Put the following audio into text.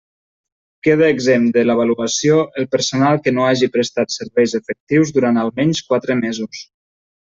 Queda exempt de l'avaluació el personal que no hagi prestat serveis efectius durant almenys quatre mesos.